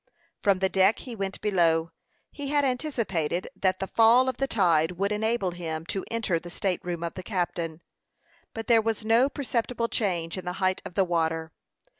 From the deck he went below. He had anticipated that the fall of the tide would enable him to enter the state room of the captain; but there was no perceptible change in the height of the water.